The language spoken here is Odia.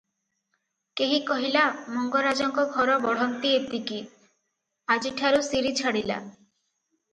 କେହି କହିଲା ମଙ୍ଗରାଜଙ୍କ ଘର ବଢ଼ନ୍ତି ଏତିକି, ଆଜିଠାରୁ ଶିରୀ ଛାଡ଼ିଲା ।